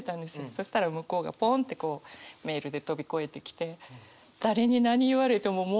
そしたら向こうがポンってこうメールで飛び越えてきて。